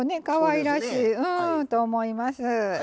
かわいらしいと思います。